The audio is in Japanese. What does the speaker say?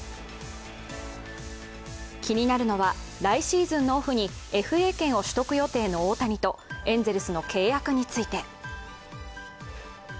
気になるのは、来シーズンのオフにＦＡ権を取得予定の大谷とエンゼルスの契約について。